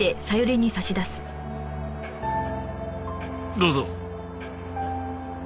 どうぞ。